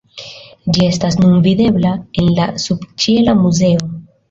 Ĝi estas nun videbla en la subĉiela muzeo.